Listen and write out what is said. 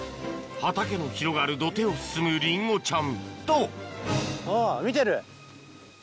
畑の広がる土手を進むリンゴちゃんと！